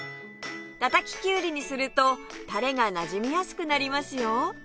叩ききゅうりにするとたれがなじみやすくなりますよ